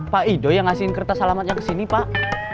pak ido yang ngasihin kertas alamatnya kesini pak